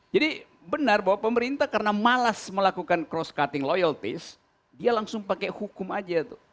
jadi benar bahwa pemerintah karena malas melakukan cross cutting loyalties dia langsung pakai hukum saja